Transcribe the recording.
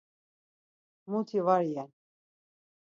Muti var iyen.